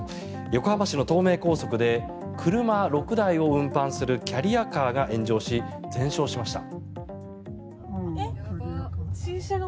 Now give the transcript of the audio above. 横浜市の東名高速で車６台を運搬するキャリアカーが炎上し、全焼しました。